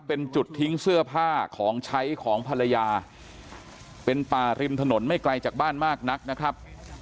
เป็นจุดทิ้งเสื้อผ้าของใช้ของภรรยาเป็นป่าริมถนนไม่ไกลจากบ้านมากนักนะครับ